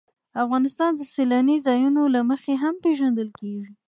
افغانستان د سیلاني ځایونو له مخې هم پېژندل کېږي.